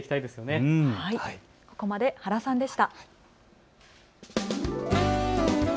ここまで原さんでした。